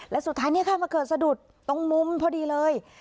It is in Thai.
และสุดท้ายเนี่ยค่ะมาเกิดสะดุดตรงมุมพอดีเลย